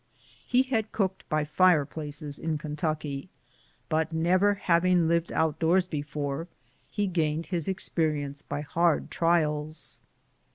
He had cooked by fireplaces in Kentucky, but never having lived out doors before, he gained his experience by hard trials.